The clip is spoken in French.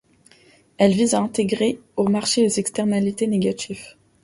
Elle vise à intégrer au marché les externalités négatives.